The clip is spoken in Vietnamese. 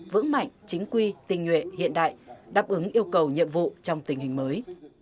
vững mạnh chính quy tình nguyện hiện đại đáp ứng yêu cầu nhiệm vụ trong tình hình mới